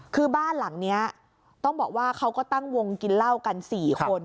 คือบ้านหลังนี้ต้องบอกว่าเขาก็ตั้งวงกินเหล้ากัน๔คน